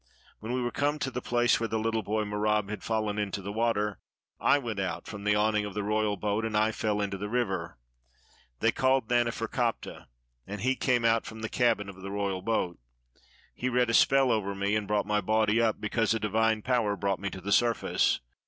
When we were come to the place where the Httle boy Merab had fallen into the water, I went out from the awning of the royal boat, and I fell into the river. They called Naneferkaptah, 53 EGYPT and he came out from the cabin of the royal boat. He read a spell over me, and brought my body up, because a divine power brought me to the surface.